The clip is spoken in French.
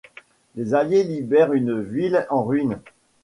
Les Alliés libérèrent une ville en ruines.